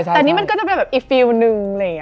แต่นี่มันก็จะเป็นอีกฟิวหนึ่ง